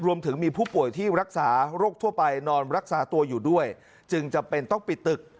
รวมถึงมีผู้ป่วยที่รักษาโรคทั่วไปนอนรักษาตัวอยู่ด้วยจึงจำเป็นต้องปิดตึก